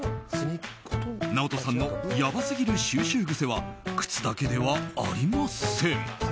ＮＡＯＴＯさんのやばすぎる収集癖は靴だけではありません。